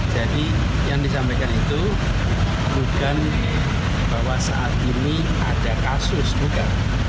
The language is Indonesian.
yang disampaikan itu bukan bahwa saat ini ada kasus bukan